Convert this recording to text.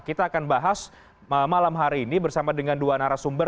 kita akan bahas malam hari ini bersama dengan dua narasumber